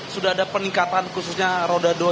sudah ada peningkatan khususnya roda dua